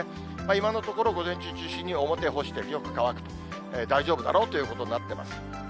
今のところ午前中中心に表干してよく乾く、大丈夫だろうということになってます。